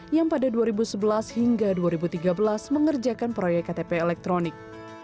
yang pada dua ribu sebelas hingga dua ribu tiga belas mengerjakan proyek ktp elektronik